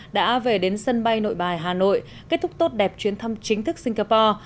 đã về đến sân bay nội bài hà nội kết thúc tốt đẹp chuyến thăm chính thức singapore